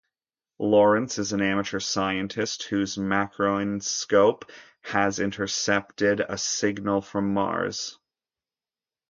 Laurence is an amateur scientist whose marconiscope has intercepted a signal from Mars.